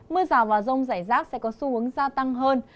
mưa rào và rông rải rác sẽ có xu hướng gia tăng hơn